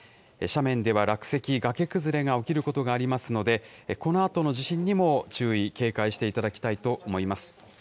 斜面では落石、崖崩れが起きることがありますので、このあとの地震にも注意、警戒していただきたいと思います。